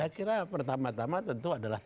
saya kira pertama tama tentu adalah